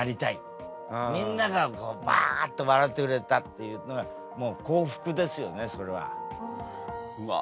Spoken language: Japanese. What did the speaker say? みんながバッと笑ってくれたっていうのがもう幸福ですよねそれは。うわ。